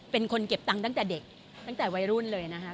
เป็นคนเก็บตังค์ตั้งแต่เด็กตั้งแต่วัยรุ่นเลยนะคะ